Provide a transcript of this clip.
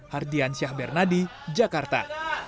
hardian syahbernadi jakarta